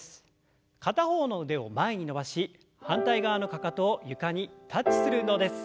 片方の腕を前に伸ばし反対側のかかとを床にタッチする運動です。